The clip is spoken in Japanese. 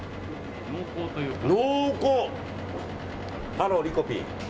ハローリコピン！